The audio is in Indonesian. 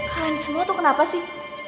kalian semua tuh kenapa sih